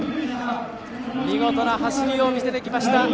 見事な走りを見せてきました。